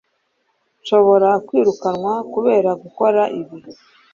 nshobora kwirukanwa kubera gukora ibi